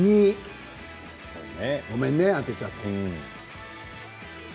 ごめんね、当てちゃって。